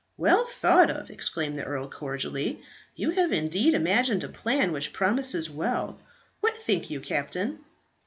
"Well thought of!" exclaimed the earl, cordially. "You have indeed imagined a plan which promises well. What think you, captain?"